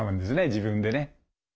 自分でね。